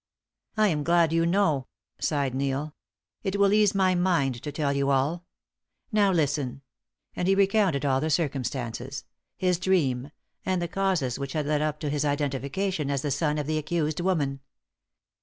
"I am glad you know," sighed Neil. "It will ease my mind to tell you all. Now listen," and he recounted all the circumstances his dream, and the causes which had led up to his identification as the son of the accused woman.